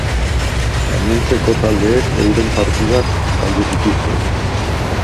Gainontzeko taldeek euren partidak galdu zituzten.